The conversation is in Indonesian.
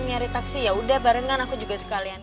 nyari taksi yaudah barengan aku juga sekalian